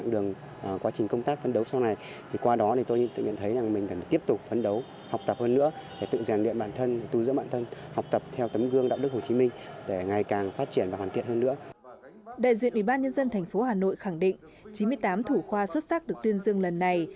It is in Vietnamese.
đại diện ủy ban nhân dân tp hà nội khẳng định chín mươi tám thủ khoa xuất sắc được tuyên dương lần này